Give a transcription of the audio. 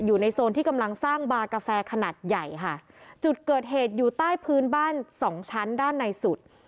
อยู่ในโซนที่กำลังสร้างบากาแฟขนาดใหญ่ค่ะจุดเกิดเหตุอยู่ใต้พื้นบ้านสองชั้นด้านในสุด